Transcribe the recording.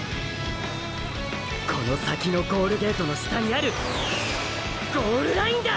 この先のゴールゲートの下にあるゴールラインだ！！